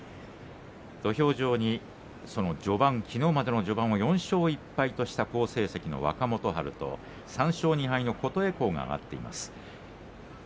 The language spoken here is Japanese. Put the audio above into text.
土俵上にきのうまでの序盤を４勝１敗とした好成績の若元春と３勝２敗の琴恵光が上がっています。